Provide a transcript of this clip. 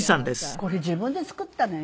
これ自分で作ったのよ。